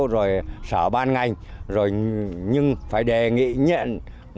rồi sở ban ngành rồi nhưng phải đề nghị nhận